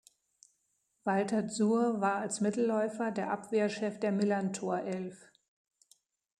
Walter Dzur war als Mittelläufer der Abwehrchef der Millerntor-Elf.